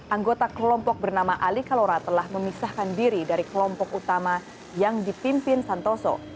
anggota kelompok bernama alikalora telah memisahkan diri dari kelompok utama yang ditimpin santoso